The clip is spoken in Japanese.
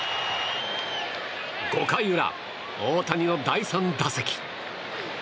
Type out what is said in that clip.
５回裏、大谷の第３打席。